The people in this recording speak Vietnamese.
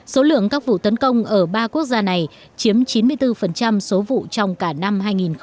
số lượng các vụ tấn công ở ba quốc gia này chiếm chín mươi bốn số vụ trong cả năm hai nghìn một mươi tám